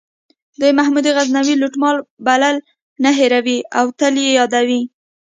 دوی محمود غزنوي لوټمار بلل نه هیروي او تل یې یادوي.